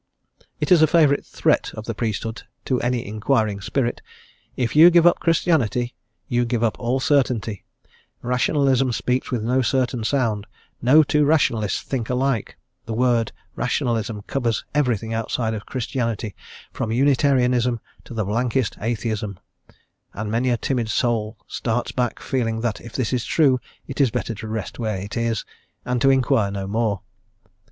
"Theodore Tarker. It is a favourite threat of the priesthood to any inquiring spirit: "If you give up Christianity you give up all certainty; rationalism speaks with no certain sound; no two rationalists think alike; the word rationalism covers everything outside Christianity, from Unitarianism to the blankest atheism;" and many a timid soul starts back, feeling that if this is true it is better to rest where it is, and inquire no more.